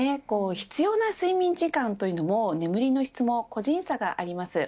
必要な睡眠時間というのも眠りの質も個人差があります。